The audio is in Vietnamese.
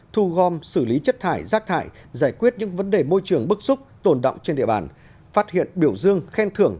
thu gom xử lý chất thải rác thải giải quyết những vấn đề môi trường bức xúc tồn động trên địa bàn phát hiện biểu dương khen thưởng